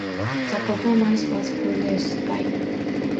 The performance was produced by Don Redman.